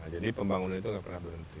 jadi pembangunan itu tidak pernah berhenti